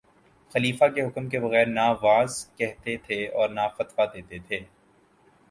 خلیفہ کے حکم کے بغیر نہ وعظ کہتے تھے اور نہ فتویٰ دیتے تھے